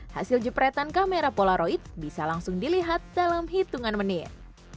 hasil jepretan kamera polaroid bisa langsung dilihat dalam hitungan menit